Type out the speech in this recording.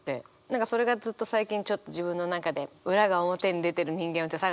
何かそれがずっと最近ちょっと自分の中で裏が表に出てる人間を探しちゃうっていうか。